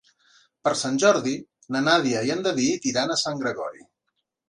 Per Sant Jordi na Nàdia i en David iran a Sant Gregori.